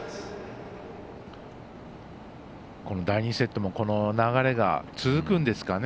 第２セットも流れが続くんですかね。